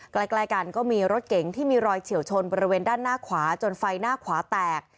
ใกล้กันก็มีรถเก๋งที่มีรอยเฉียวชนบริเวณด้านหน้าขวาจนไฟหน้าขวาแตก